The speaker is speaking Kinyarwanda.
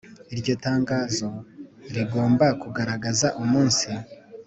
Iryo tangazo rigomba kugaragaza umunsi